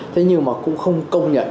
thế nhưng mà cũng không công nhận